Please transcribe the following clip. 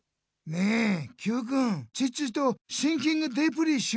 ねえＱくんチッチとシンキングデープリーしようよ？